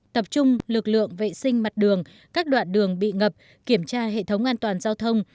tập trung lực lượng vệ sinh mặt đường các đoạn đường bị ngập kiểm tra hệ thống an toàn giao thông